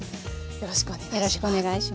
よろしくお願いします。